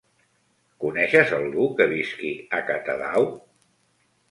Coneixes algú que visqui a Catadau?